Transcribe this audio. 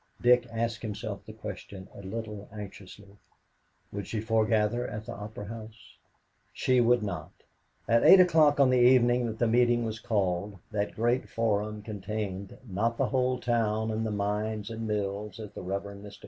Dick asked himself the question a little anxiously. Would she foregather at the Opera House? She would not. At eight o'clock on the evening that the meeting was called that great forum contained, not the whole town and the mines and mills, as the Rev. Mr.